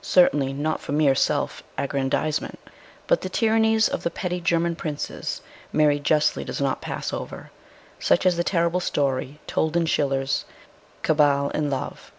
Certainly not for mere self aggraudize ment. But the tyrannies of the petty German Princes Mary justly does not pass over, such as the terrible story told in Schiller's Cabal and Love.